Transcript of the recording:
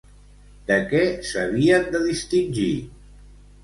De què s'havien de distingir?